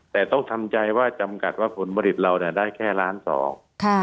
แต่ต้องทำใจว่าจำกัดว่าผลผลิตเราเนี่ยได้แค่ล้านสอง